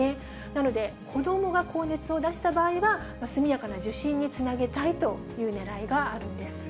なので、子どもが高熱を出した場合は、速やかな受診につなげたいというねらいがあるんです。